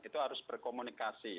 itu harus berkomunikasi